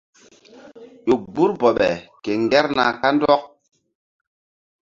Ƴo gbur bɔɓe ke ŋgerna kandɔk.